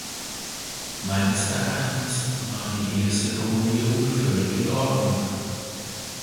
Meines Erachtens war die erste Formulierung völlig in Ordnung.